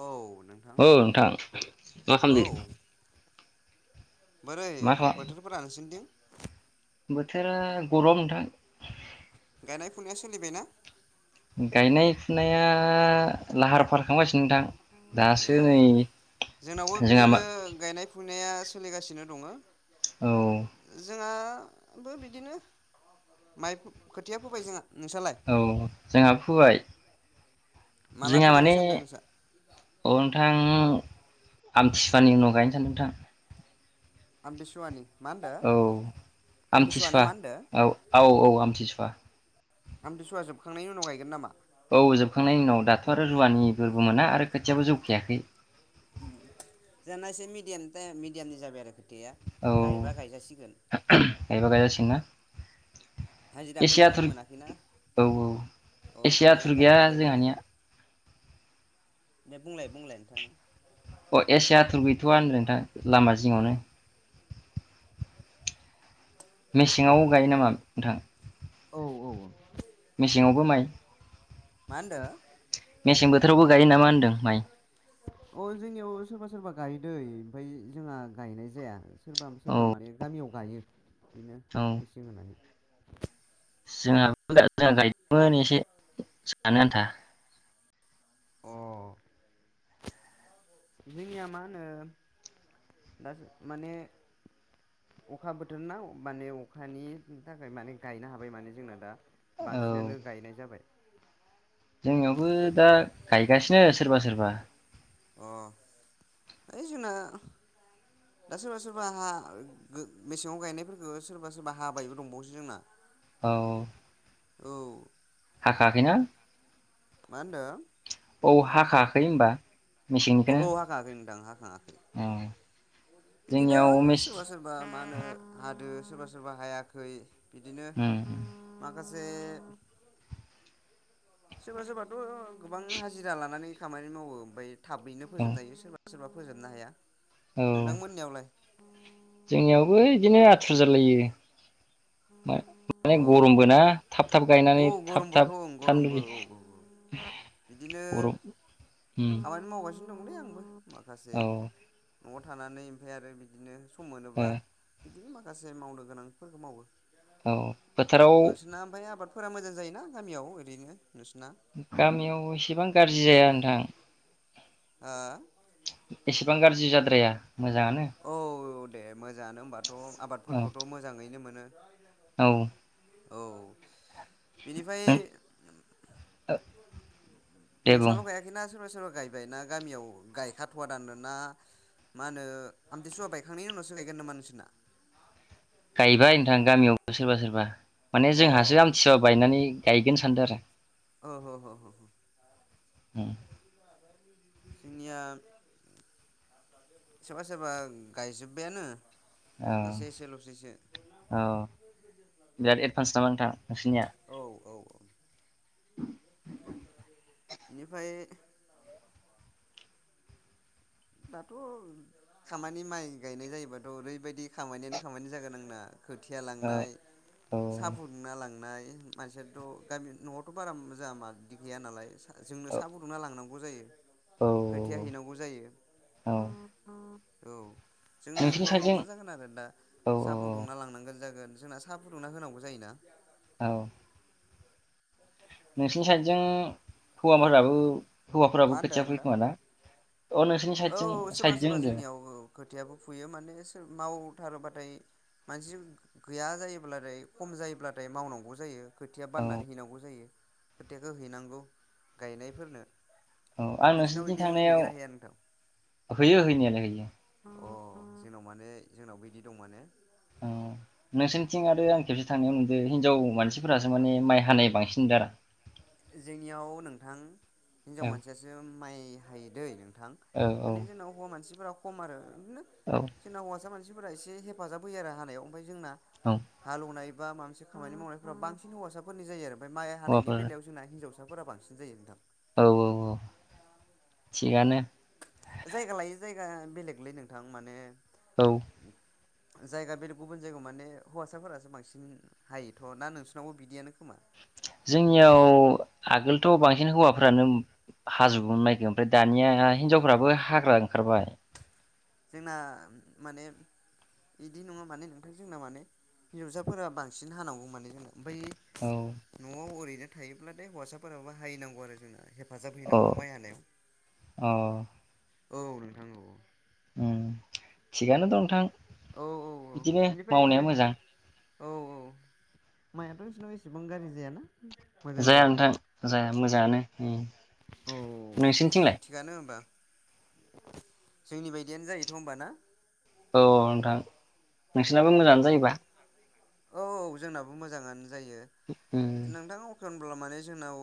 औ नोंथां औ नोंथां मा औ खालामदों? बोरै मा खालाम बोथोरफोरा नोंसोरनिथिं? बोथोरा गरम नोंथां। गायनाय फुनाया सोलिबायना? गायनाय फुनाया लाहार फाहार खालागासिनो। उम जोंनावबो जोंहा मा बिदिनो गायनाय फुनाया सोलिगासिनो दङ। औ जोंहाबो बिदिनो माइ खोथिया फोबाय जोंहा नोंसालाय औ जोंहा फोबाय। जोंहा मालाथो गायनो माने सानदों नोंसा? औ नोंथां आमथिसुवानि उनाव गायनो सानदों नोंथां। आमथिसुवानि। मा होनदो औ ना आमथिसुवा मा होनदो औ औ औ आमथिसुवा। आमथिसुवा जोबखांनायनि उनाव गायगोन नामा? औ जोबखांनायनि उनाव दाथ' आरो रुवानिफोरबो मोना आरो खोथियाबो जौखायाखै। जोंना एसे मिडियामनि तायेम मिडियामनि जाबाय आरो। खोथाया औ गायबा [unintelligible] गायजासिगोन गायबा गायजासिगोन ना एसि हाजिराखौनो आथुर मोनाखैना औ औ औ एसि बेखौनो आथुर गैया गायथ'वाखै माने जोंहानिया। दे बुंलाय बुंलाय नोंथां नों अ एसे आथुर गैथ'वा होनदों नोंथां लामा अ जिङावनो। मेसेङाव गायो नामा नोंथां? औ औ। मेसेङावबो माइ मा होनदो? मेसें बोथोरावबो गायो नामा होन्दों माइ? अ जोंनियाव सोरबा सोरबा गाय दै ओमफाय जोंहा गायनाय जाया। सोरबा औ सोरबा माने गामियाव लायो। बिदिनो औ मेसिं होनानै। जोंहाबो जोंहा गायदोंमोन एसे जानो आन्था। अ जोंनिया मा होनो दा माने अखा बोथोर ना माने अखानि थाखाय माने गायनो हाबाय माने जोंना दा। औ बांसिनानो गायनाय जाबाय। जोंनियावबो दा गायगासिनो सोरबा सोरबा अ ओइ जोंना दा सोरबा सोरबा हा गो मेसेंआव गायनायफोरखो सोरबा सोरबा हाबायबो दंबावोसो जोंना। औ। औ। हाखांआखैना मा होनदों? हाखायाखै होनबा अह' मेसेंनिखौनो हाखाङाखै नोंथां हाखाङाखै। औ बिदिनो जोंनियाव मेस सोरबा सोरबा मा होनो हादो। सोरबा सोरबा हायाखै। बिदिनो औ माखा से सोरबा सोरबाथ' गोबां हाजिरा लानानै खामानि मावो ओमफाय थाबैनो फोजोबनो हायो सोरबा। सोरबा फोजोबनो हाया। औ नोंथांमोननियावलाय? जोंनियावबो इदिनो आथुर जालायो। अ माने गर'मबो ना थाब थाब औ गायनानै थाब गरमबोथ' थाब ओं थानो गरमबो औ औ लुबैयो बिदिनो गर'म उम। खामानि मावगासिनो दंलै आंबो। माखासे औ न'आव थानानै ओमफाय आरो बिदिनो सम ओ मोनोबा बिदिनो माखासे मावनो गोनांफोरखो मावो। औ फोथाराव फोरा मोजां जायोना गामियाव ओरैनो नोंसोरना गामियाव एसेबां गाज्रि जाया [unintelligible] हा? जि जाद्राया। मोजाङानो। दे मोजाङानो होनबाथ' औ आबादफोरखौथ' मोजाङैनो मोनो? [inaudible] औ। औ बिनिफाय दे बुं नोंसाल' गायाखैना सोरबा सोरबा गायबाय ना गामियाव गायखाथ'वा दानो ना मा होनो आमथिसुवा बायखांनायनि उनावसो गायगोन नामा नोंसोना? गायबाय नोंथां गामियावबो सोरबा सोरबा माने अ जोंहासो आमथिसुवा बायनानै गायगोन सानदो आरो। अ अ अ। हम जोंनिया सोरबा सोरबा गायजोब्बायानो औ एसे एसेल'सैसो औ बिराद एडभान्स नामा नोंथां नोंसिोरनिया औ औ बेनिफाय दाथ' खामानि माइ गायनाय जायोबाथ' ओरैबायदि खामानियानो खामानि जागोन आंना खोथिया औ लांनाय सा फुदुंना लांनाय [inaudible] जोंनो औ सा फुदुंना लांनांगौ गौ जायो। औ खोथिआ हैनांगौ जायो औ। औ। जोंनो नोंसिनि साइडजों मावनांगौ जागोन आरो दा औ औ साहा फुदुंना लांनांगो जागोन जोंना सा फुदुंना होनांगौ जायो ना औ नोंसिनि साइदजों हौवाफोराबो हौवाफोराबो मा होनदों खोथिया फुयो नोंथां खोमाना औ सोरबा सोरबा जोंनियाव औ खोथियाबो फुयो माने माव थारोब्लाथाय मानसि गैया जायोब्लाथाय खम जायोब्लाथाय मावनांगौ जायो खोथिया औ बाननानै हैनांगौ जायो खोथियाखो हैनांगौ गायनायफोरनो औ आं नोंसोरनाव नोंसोरनिथिं बिदि हैगोन थांनायाव ना हैया नोंथां हैयो होनायालाय हैयो अ जोंनाव माने जोंनावबो बिदि दं माने अ नोंसोरनिथिं आरो आं खेबसे थांनायाव नुदों हिनजाव मानसिफोरासो माने माइ हानाय बांसिन नुदों आरो आं जोंनियाव नोंथां हिनजाव औ मानसियासो माइ हायो दै नोंथां औ औ माने जोंनाव हौवा मानसिफोरा खम आरो बिदिनो औ जोंना हौवासा मानसि मानसिफोरा एसे हेफाजाब होयो आरो हानायाव उमफ्राय जोंना औ हालौवनाय बा माबा मोनसे खामानि मावनायफोरा बांसिन हौवासाफोरनि जायो आरो ओमफ्राय माइ हानायनि हौवाफोर बेलायाव हिन्जावसाफोरा बांसिन जायो नोंथां। औ औ औ थिगानो। जायगा लायै जायगा बेलेगलै नोंथां माने औ जायगा बेलेग गुबुन जायगायाव माने हौवासाफोरासो बांसिन हायोथ' ना नोंसिनावबो बिदियानो खोमा। जोंनियाव आगोलथ' बांसिन हौवाफ्रानो हाजोबोमोन माइखो ओमफ्राय दानिया हिनजावफ्राबो हाग्रा ओंखारबाय। जोंना माने बिदि नङा माने नोंथां जोंना माने हिनजावसाफोरा बांसिन हानांगौ माने जोंना ओमफ्राय औ न'आव ओरैनो थायोब्लालाय हौवासाफोराबो हाहैनांगौ आरो जोंना हेफाजाब अ हैनांगौ माइ हानायाव अ औ नोंथां औ उम थिगानो दं नोंथां। औ औ औ बिदिनो बेनिफ्राय मावनाया मोजां। औ औ माइयाथ' नोंसिनाव बेसेबां गाज्रि जायाना? मोजां जाया जायो नोंथां जाया मोजाङानो औ नोंसोरनिथिंलाय? थिगानो होमबा जोंनि बायदियानो जायोथ' होमबा ना? औ नोंथां। नोंसोरनाबो औ मोजाङानो जायोबा? औ औ जोंनाबो मोजाङानो। जायो उम नोंथां। एख'नब्ला माने जोंनाव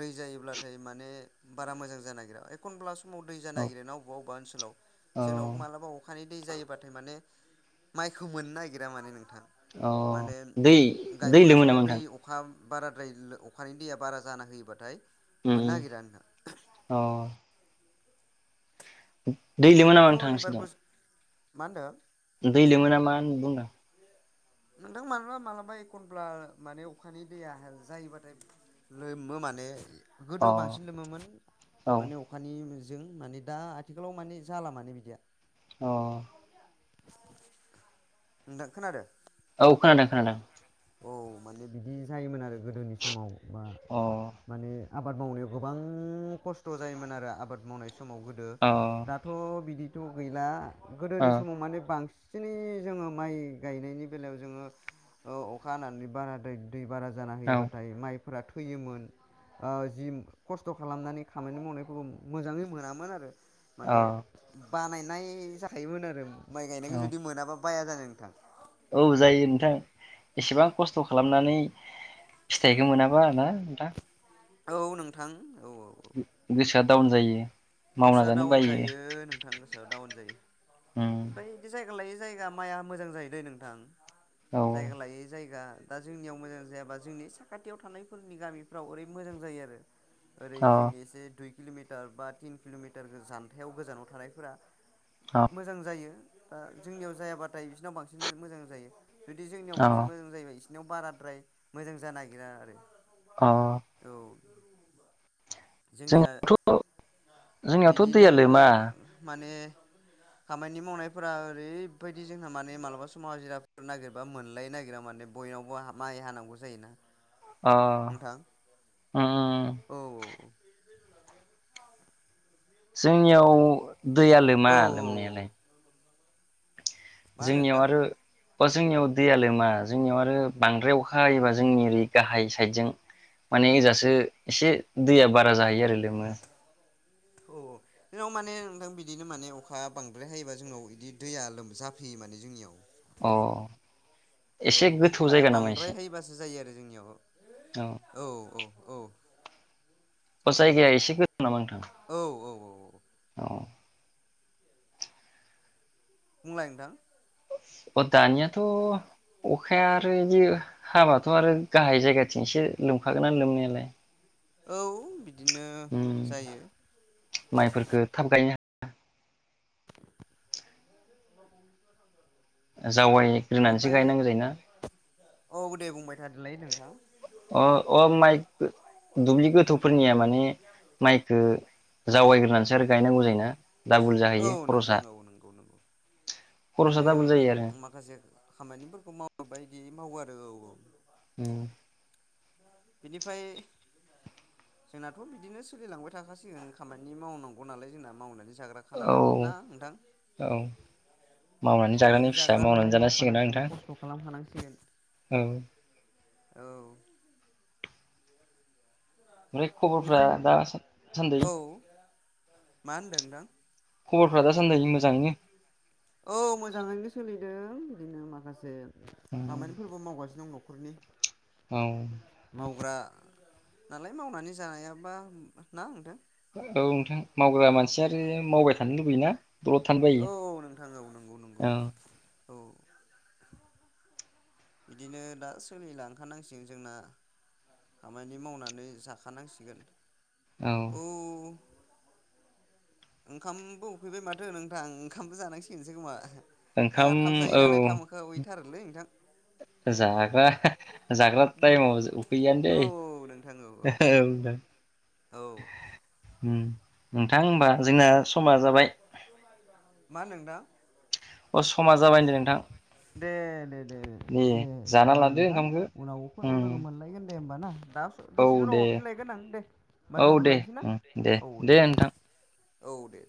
दै जायोब्लाथाय माने बारा मोजां जानो नागिरा एखनब्ला समाव दै जानो औ नागिरोना अबा अबा ओनसोलाव औ जोंनाव मालाबा अखानि दै जायोबाथाय माने माइखौ नागिरा मान नों औ माने दै दै गायफुनाय लोमो नामा समाव दै नोंथां? अखा बाराद्राय अखानि दैया बारा जाना होयोबाथाय मोननो उम नागिरा नोंथां। अ दै लोमो नामा एबारथ' नोंथां एबार नोंसिनियाव? मा होनदों? दै लोमो नामा होन बुंदां? नोंथां मालाबा मालाबा एख'नब्ला माने अखानि दैया जायोबाथाय लोमो माने अ गोदो बांसिन लोमोमोन औ माने अखानि जों माने दा आथिखालाव माने जाला मानो बिदिया। अ नोंथां खोनादों? औ खोनादों खोनादों। औ माने बिदि जायोमोन आरो। गोदोनि समाव बा अ माने आबाद मावनायाव गोबां खस्थ' जायोमोन आरो आबाद मावनाय सम समाव गोदो अ दाथ' बिदि। थ' गैला। अ गोदोनि समाव माने बांसिन बिनै जोङो माइ गायनायनि बेलायाव जोङो ओ औ खानानै बाना दै दै बारा जाना औ होयोबाथाय माइ फोर थैयोमोन जि खस्थ' खालामनानै खामानि मावनायफोरखौ मोजाङै मोनामोन आरो। माने औ बानायनाय जाखायोमोन आरो। माइ गायनायखौ औ जुदि मोनाबा बाया जादो नोंथां। औ जायो नोंथां एसेबां खस्थ' खालामनानै फिथाइखौ मोनाबा ना नोंथां। औ नोंथां औ। औ औ गो-गोसोआ डाउन जायो। मावना गोसोआ जानो डाउन बायो जायो नोंथां गोसोआ डाउन जायो। उम बैदि जाय गा लायै जायगा माइआ मोजां जायो दैे नोंथां। औ जायगा लायै जायगा। दा जोंनियाव मोजां जायाबा जोंनि साखाथियाव थानायफोरनि गामिफ्राव ओरै मोजां जायो आरो। ओरै औ जोंनि एसे दुइ किल'मिटार बा थिन किल'मिटार गोजान्थायाव गोजानाव थानायफोरा अ मोजां जायो‌। दा जोंनियाव जायाबाथाय बिसिनाव बांसिन मोजां जायो। जुदि जोंनियाव अ बांसिन मोजां जायोबा इसि नियाव बाराद्राय मोजां जानो नागिरा आरो। अ। औ जोंनिया जोंनियावथ' जोंनियावथ' दैया बिदिनो लोमा माने खामानि मावनायफोरा ओरैबायदि जोंहा माने मालाबा समाव हाजिराफोर नागिरबा मोनलायनो नागिरा माने बयनावबो हा माइ हानांगौ जायोना। अ नोंथां उम। औ जोंनियाव दैया लोमा औ औ औ लोमनायालाय। मा होनो जोंनियाव नोंथां आरो बा जोंनियाव दैया लोमा जोंनियाव आरो बांद्राय अखा हायोबा जोंनि ओरै गाहाय साइदजों माने ओजासो एसे दैया बारा जाहैयो आरो लोमो। औ औ जोंनाव माने नोंथां बिदिनो माने अखा बांद्राय हायोबा जोंनाव इदि दैया लोम जाफैयो माने जोंनियाव। अ औ एसे गोथौ अखाया जायगा नामा बांद्राय एसे हायोबासो जायो आरो जोंनियाव औ औ औ औ। जायगाया एसे गोथ नामा नोंथां? औ औ औ। अ। बुंलाय नोंथां। अ दानियाथ' अखाया आरो इदि हाबाथ' आरो गाहाय जायगाथिं एसे लोमखागोनना लोमनायालाय। औ। दिनो उम जायो। माइफोरखो [unintelligible] जावायग्रोनानैसो बेनिफाय गायनांगौ जायोना औ दे बुंबाय थादोलाय नों थां। अ अ माइ दुब्लि गोथौफोरनिया जावाय गोरनानैसो आरो गायनांगौ जायो ना। औ नोंथां औ नंगौ नंगौ खरसा बिदिनो दाबुल उम जायो आरो उम माखासे खामानिफोरखौ माव बायदि मावो आ उम। बिनिफाय जोंनाथ' बिदिनो सोलिलांबाय थाखासिगोन खामानि मावनांगौ नालाय जोंना मावनानै जाग्राखा औ नालाय ना नोंथां? औ मावनानै जाग्रानि फिसा जाग्रा मावनानै नालाय जानांसिगोन ना नोंथां मावखानांसिगोन खस्थ' खालामखानांसिगोन। औ औ। [inaudible] ओमफाय खबरफ्रा बेनिफ्राय दा सा-सान्दै। औ मा होनदों नोंथां? खबरफ्रा दासान्दै मोजां ना। ओं बिदिनो माखासे खामानिफोरबो मावगासिनो दंङ। हरनि। औ। मावग्रा नालाय मावनानै जायाबा ना नोंथां। औ नोंथां मावग्रा मानसि आरो मावबाय थानो लुबैयोना? दलद थानो औ बायो औ नोंथां औ नंगौ नंगौ अ। औ। बिदिनो दा सोलिलांखानांसिगोन जोंना खामानि मावनानै जाखानांसिगोन। औ। ओंखामबो उखैबाय माथो नोंथां ओंखामबो जानांसिगोनसो खोमा। ओंखाम औ। थारोलै नोंथां। जाग्रा जाग्रा टाइमाव उखैयानो दै औ नोंथां औ औ नोंथां उम नोंथां होमबा जोंना समा जाबाय। मा होनदों नोंथां अ समा जाबाय होनदो नोंथां दे दे दे दे जाना होमबा लादो नोंथां ओंखामखो उम उनावफोराव लोगो मोनलायगोन। दे होमबा ना दा औ दसेनो उनाव दे हरफिनलायगोन आं दे होमबा औ दे दोन्थ'लायनोसै ना उम औ दे नोंथां। दे औ दे